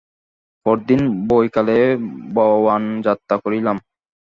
পরদিন বৈকালে বওয়ান যাত্রা করিলাম।